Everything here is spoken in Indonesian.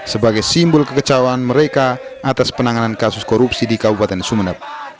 sebagai simbol kekecauan mereka atas penanganan kasus korupsi di kabupaten sumeneb